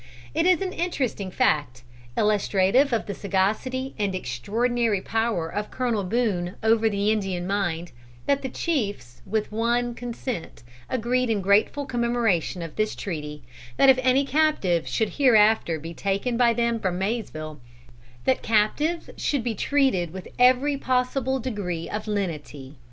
It is an interesting fact, illustrative of the sagacity and extraordinary power of Colonel Boone over the Indian mind, that the chiefs with one consent agreed in grateful commemoration of this treaty, that if any captive should hereafter be taken by them from Maysville, that captive should be treated with every possible degree of lenity.